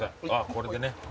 これでね。